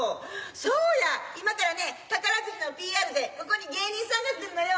そうや今からね宝くじのＰＲでここに芸人さんが来るのよ。